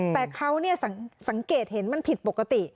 แต่เขาสังเกตเห็นมันผิดปกติ